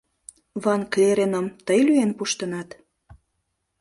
— Ван-Клереным тый лӱен пуштынат?